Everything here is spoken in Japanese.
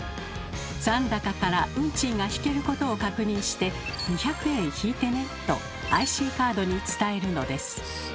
残高から運賃が引けることを確認して「２００円引いてね」とＩＣカードに伝えるのです。